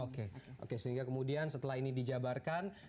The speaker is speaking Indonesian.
oke oke sehingga kemudian setelah ini dijabarkan